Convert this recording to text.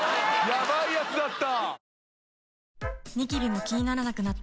ヤバいやつだった。